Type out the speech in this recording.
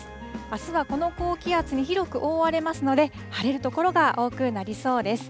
あすはこの高気圧に広く覆われますので、晴れる所が多くなりそうです。